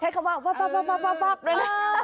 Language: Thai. ใช้คำว่าป็อปป็อปไป